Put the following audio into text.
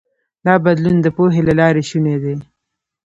دا بدلون د پوهې له لارې شونی دی.